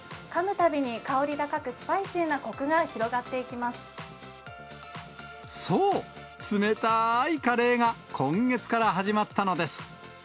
たびに、香り高くスパイシーそう、冷たーいカレーが今月から始まったのです。